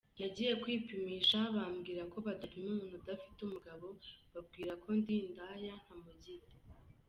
Nagiye kwipimisha, bambwira ko badapima umuntu udafite umugabo, mbabwira ko ndi indaya ntamugira.